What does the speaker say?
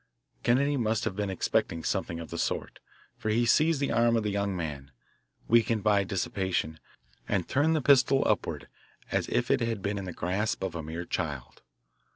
Kennedy must have been expecting something of the sort, for he seized the arm of the young man, weakened by dissipation, and turned the pistol upward as if it had been in the grasp of a mere child.